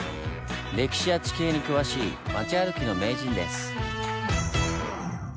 歴史や地形に詳しい町歩きの名人です。